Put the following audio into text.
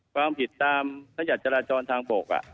ความผิดตามขยัติจราจรทางบก